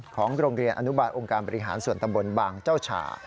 ของโรงเรียนอนุบาลองค์การบริหารส่วนตำบลบางเจ้าฉ่า